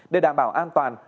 để đảm bảo an toàn